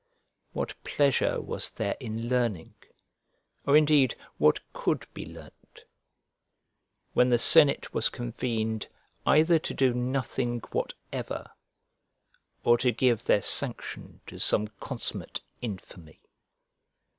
What pleasure was there in learning, or indeed what could be learnt, when the senate was convened either to do nothing whatever or to give their sanction to some consummate infamy!